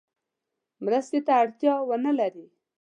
مرستې ته اړتیا ونه لري.